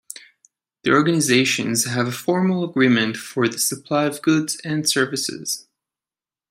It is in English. The organisations have a formal agreement for the supply of goods and services.